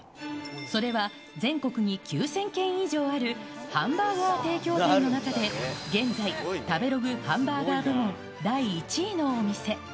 これは全国に９０００軒以上あるハンバーガー提供店の中で、現在、食べログハンバーガー部門第１位のお店。